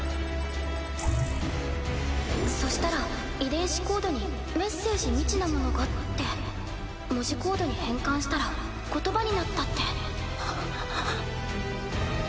そしたら遺伝子コードに「メッセージ未知なものが」って文字コードに変換したら言葉になったってはっ。